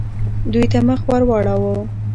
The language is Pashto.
دوی ته مخ ورواړوه.